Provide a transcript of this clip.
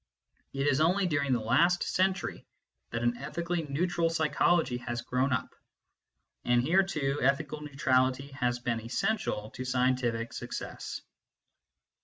It is only during the last century that an ethically neutral psychology has grown up ; and here too, ethical neutrality has been essential to scientific success.